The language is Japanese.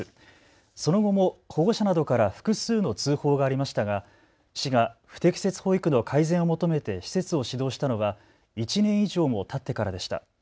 その後も保護者などから複数の通報がありましたが、市が不適切保育の改善を求めて施設を指導したのは１年以上もたってからでした。